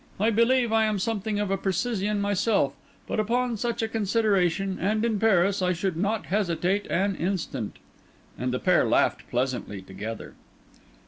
"I believe I am something of a precisian myself, but upon such a consideration, and in Paris, I should not hesitate an instant." And the pair laughed pleasantly together.